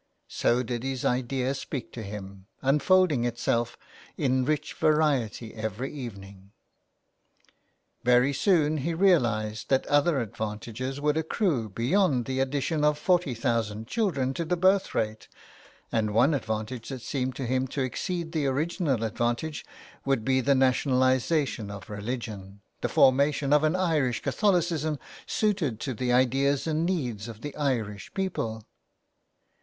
So did his idea speak to him, unfolding itself in i8i A LETTER TO ROME. rich variety every evening. Very soon he realised that other advantages would accrue, beyond the ad dition of forty thousand children to the birth rate, and one advantage that seemed to him to exceed the original advantage would be the nationalisation of religion, the formation of an Irish Catholicism suited to the ideas and needs of the Irish people.